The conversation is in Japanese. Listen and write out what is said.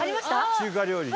中華料理。